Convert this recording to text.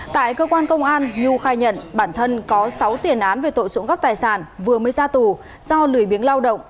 tại cơ quan công an nhu khai nhận bản thân có sáu tiền án về tội trộm cắp tài sản vừa mới ra tù do lười biếng lao động